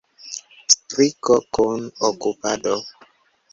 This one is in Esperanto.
Striko kun okupado.